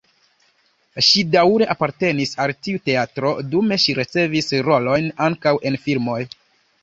Ŝi daŭre apartenis al tiu teatro, dume ŝi ricevis rolojn ankaŭ en filmoj.